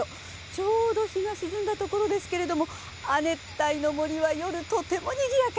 ちょうど日が沈んだところですが亜熱帯の夜はとてもにぎやか。